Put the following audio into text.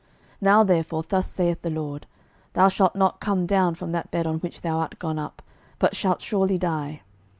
12:001:004 Now therefore thus saith the LORD, Thou shalt not come down from that bed on which thou art gone up, but shalt surely die.